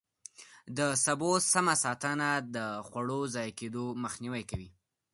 د سبو سمه ساتنه د خوړو ضایع کېدو مخنیوی کوي.